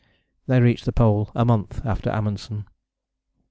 They reached the Pole a month after Amundsen.